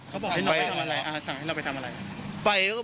เขาบอกให้เราไปทำอะไรสั่งให้เราไปทำอะไร